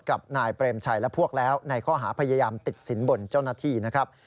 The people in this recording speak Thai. กับนายเปรมชัยและพวกแล้วในข้อหาพยายามติดสินบนเจ้าหน้าที่นะครับ